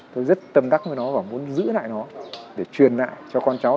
tôi rất tâm đắc với nó và muốn giữ lại nó để truyền lại cho con cháu